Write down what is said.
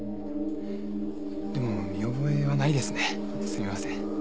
でも見覚えはないですねすみません。